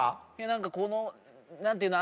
何かこの何ていうの？